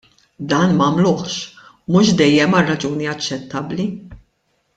Dan m'għamluhx, u mhux dejjem għal raġuni aċċettabbli.